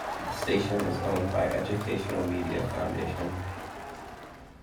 The station is owned by Educational Media Foundation.